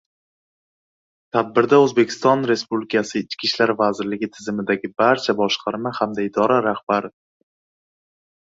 Tadbirda O‘zbekiston Respublikasi Ichki ishlar vazirligi tizimidagi barcha boshqarma hamda idora rahbar v